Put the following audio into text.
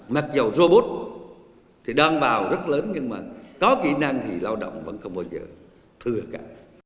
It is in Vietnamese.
mặc dù robot thì đang vào rất lớn nhưng mà có kỹ năng thì lao động vẫn không bao giờ thừa cả